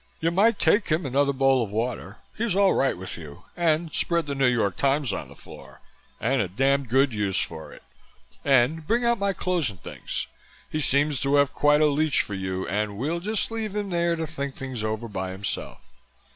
"You might take him another bowl of water he's all right with you and spread the New York Times on the floor and a damned good use for it and bring out my clothes and things. He seems to have quite a leech for you and we'll just leave him there to think things over by himself."